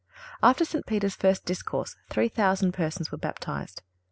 After St. Peter's first discourse three thousand persons were baptized.